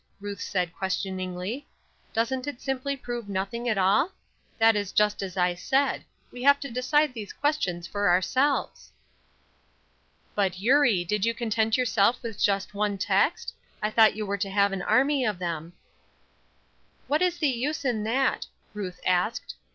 Ruth said, questioningly. "Doesn't it simply prove nothing at all? That is just as I said; we have to decide these questions for ourselves." "But, Eurie, did you content yourself with just one text? I thought you were to have an army of them." "What is the use in that?" Ruth asked.